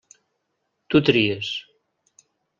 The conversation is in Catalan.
Tu tries.